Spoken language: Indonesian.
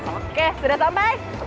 oke sudah sampai